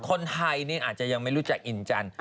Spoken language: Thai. คนไทยนี่อาจจะยังไม่รู้จักอินจันทร์